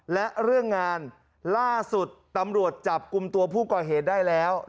และเรื่องงานล่าสุดตำรวจจับกลุ่มตัวผู้ก่อเหตุได้แล้ว